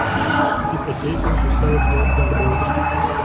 It is adjacent to South Walsham Broad.